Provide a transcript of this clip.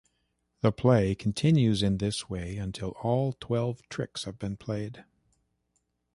The play continues in this way until all twelve tricks have been played.